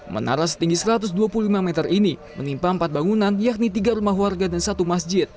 menara setinggi satu ratus dua puluh lima meter ini menimpa empat bangunan yakni tiga rumah warga dan satu masjid